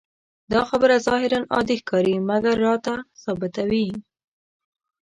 دا خبره ظاهراً عادي ښکاري، مګر راته ثابتوي.